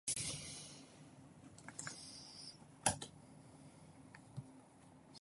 The progressive idea of voting by ballot in the General Assembly was removed.